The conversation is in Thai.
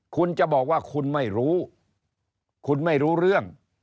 คุณจะบอกว่าคุณไม่รู้คุณไม่รู้เรื่อง